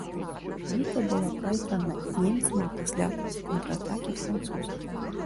Бітва была прайграна немцамі пасля контратакі французаў.